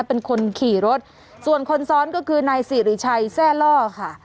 เป็นคนขี่รถส่วนคนซ้อนก็คือนายสิริชัยแทร่ล่อค่ะ